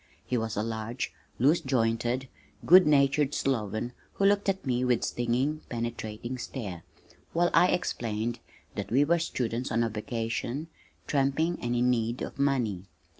He was a large, loose jointed, good natured sloven who looked at me with stinging, penetrating stare, while I explained that we were students on a vacation tramping and in need of money.